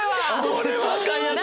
これはあかんやつ！